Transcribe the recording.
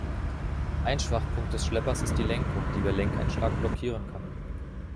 Ein Schwachpunkt des Schleppers ist die Lenkung, die bei Lenkeinschlag blockieren kann.